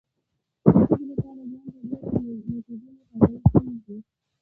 د ستونزې لپاره ځان ته ډیر میتودونه ټاکل خنډ دی.